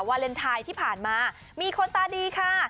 วาเลนไทยที่ผ่านมามีคนตาดีค่ะ